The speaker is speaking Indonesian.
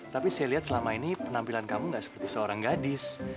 tapi saya lihat selama ini penampilan kamu gak seperti seorang gadis